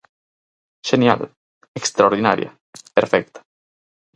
Xenial, extraordinaria, perfecta.